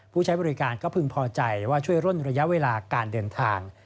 ผู้ใช้บริการก็พึงพอใจว่าช่วยร่นระยะเวลาการเดินทาง